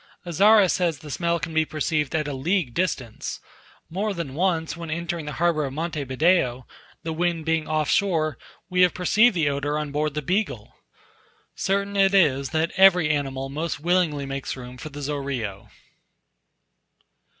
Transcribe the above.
Azara says the smell can be perceived at a league distant; more than once, when entering the harbour of Monte Video, the wind being off shore, we have perceived the odour on board the Beagle. Certain it is, that every animal most willingly makes room for the Zorillo.